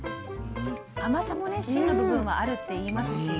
甘さも芯の部分はあるっていいますしね。